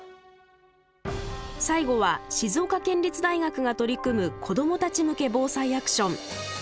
最後は静岡県立大学が取り組む子どもたち向けＢＯＳＡＩアクション。